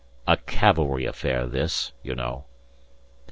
"A cavalry affair this you know."